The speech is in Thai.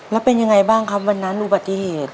แล้วเป็นยังไงบ้างครับวันนั้นอุบัติเหตุ